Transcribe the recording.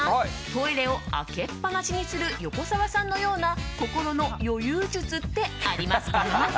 トイレを開けっ放しにする横澤さんのような心の余裕術ってありますか？